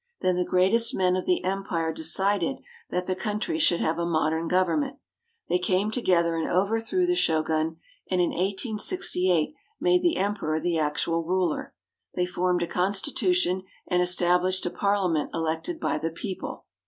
Then the greatest men of the empire decided that the country should have a modern government. They came together and overthrew the Shogun, and in 1868 made the Emperor the actual ruler. They formed a constitution and established a par liament elected by the people.